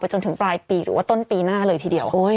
จนถึงปลายปีหรือว่าต้นปีหน้าเลยทีเดียว